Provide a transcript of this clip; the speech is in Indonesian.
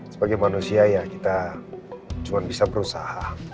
sebagai manusia ya kita cuma bisa berusaha